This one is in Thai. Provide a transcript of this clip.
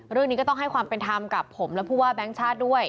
เรื่องนี้ก็ต้องให้ความเป็นธรรมกับผมและผู้ว่าแบงค์ชาติด้วย